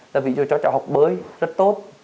là ví dụ cho cháu học bơi rất tốt